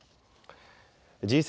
Ｇ７